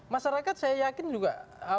masyarakat saya yakin juga